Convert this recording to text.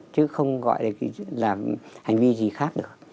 chứ không gọi là hành vi gì khác được